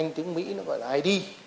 nhưng tiếng mỹ nó gọi là id